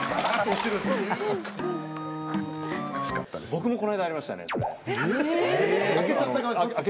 僕もこの間ありましたねそれ。